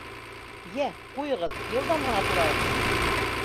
— Йә, ҡуйығыҙ, йылдам ғына турайыҡ!